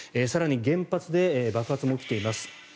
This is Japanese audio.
更に原発で爆発も起きています。